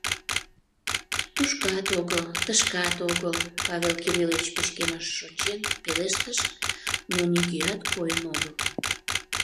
— Тушкат огыл, тышкат огыл, — Павел Кириллович пычкемышыш ончен пелештыш, но нигӧат койын огыл.